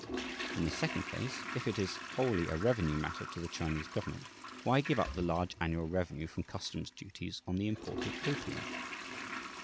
In the second place, if it is wholly a "revenue" matter to the Chinese government, why give up the large annual revenue from customs duties on the imported opium?